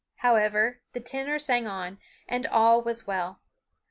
However, the tenor sang on, and all was well.